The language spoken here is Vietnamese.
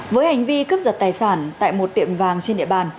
với hành vi cướp giật tài sản tại một tiệm vàng trên địa bàn